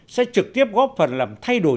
sẽ trực tiếp góp phần làm thay đổi